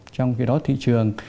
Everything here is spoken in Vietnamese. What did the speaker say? trong khi đó thị trường